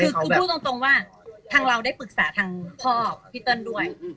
คือพูดตรงว่าทางเราได้ปรึกษาทางพ่อพี่เติ้ลด้วย